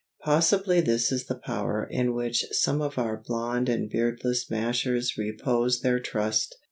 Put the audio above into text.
Possibly this is the power in which some of our blond and beardless "mashers" repose their trust.